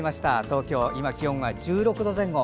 東京、今、気温は１６度前後。